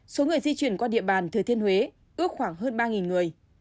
số người di chuyển qua địa bàn thừa thiên huế ước khoảng hơn ba người